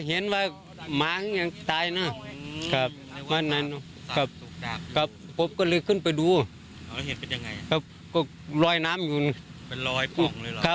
มีคนในหมู่บ้านคิดว่าเป็นคนแถวนี้หรือว่าเป็นคนที่อื่นอย่างไร